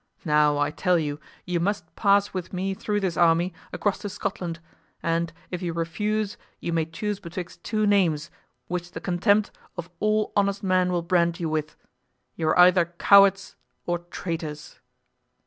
Now, I tell you, you must pass with me through this army across to Scotland, and if you refuse you may choose betwixt two names, which the contempt of all honest men will brand you with—you are either cowards or traitors!"